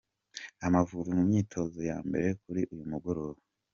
Amavubi mu myitozo ya mbere kuri uyu mugoroba.